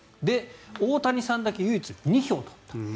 大谷さんだけ唯一、２票取った。